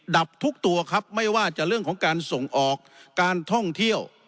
ดับทุกตัวครับไม่ว่าจะเรื่องของการส่งออกการท่องเที่ยว